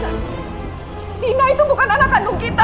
mas dina itu bukan anak kandung kita